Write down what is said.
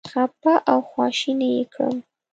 خپه او خواشینی یې کړم.